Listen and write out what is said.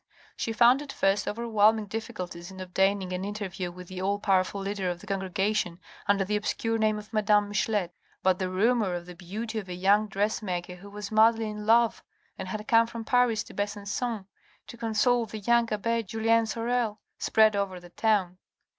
She found at first overwhelming difficulties in obtaining an interview with the all powerful leader of the congregation under the obscure name of madame Michelet. But the rumour of the beauty of a young dressmaker, who was madly in love, and had come from Paris to Besancon to console the young abbe Julien Sorel, spread over the town.